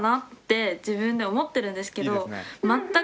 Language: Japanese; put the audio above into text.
自分では思ってるんですけど。